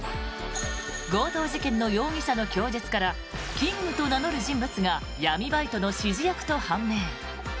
強盗事件の容疑者の供述からキングと名乗る人物が闇バイトの指示役と判明。